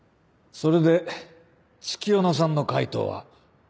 それで月夜野さんの回答は？